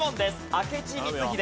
明智光秀。